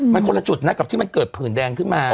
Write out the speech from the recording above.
มันคนละจุดนะกับที่มันเกิดผื่นแดงขึ้นมา